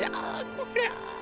こりゃあ。